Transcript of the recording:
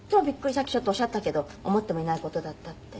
さっきちょっとおっしゃったけど思ってもいない事だったって？